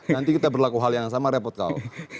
nanti kita berlaku hal yang sama repot kau